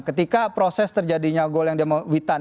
ketika proses terjadinya gol yang demo witan